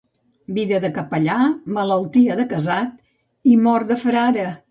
Vida de capellà, malaltia de casat i mort de frare.